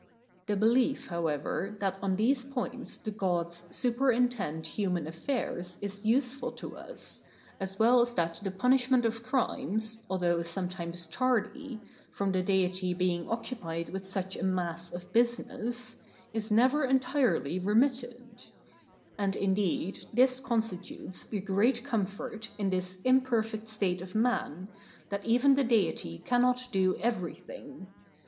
The belief, however, that on these points the Gods superintend human affairs is useful to us, as well as that the punishment of crimes, although sometimes tardy, from the Deity being occupied with such a mass of business, is never entirely remitted. And indeed this constitutes the great comfort in this imperfect state of man, that even the Deity cannot do everything.